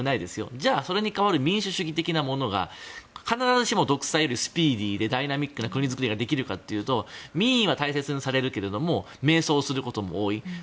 じゃあそれに代わる民主主義的なものが必ずしも独裁よりスピーディーでダイナミックな国づくりができるかっていうと民意は大切にされるけど迷走することも多い。